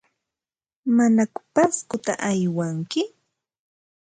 ¿Manaku Pascota aywanki?